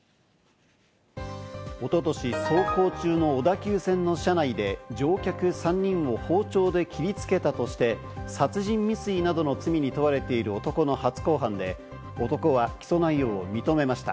おととし走行中の小田急線の車内で乗客３人を包丁で切りつけたとして殺人未遂などの罪に問われている男の初公判で、男は起訴内容を認めました。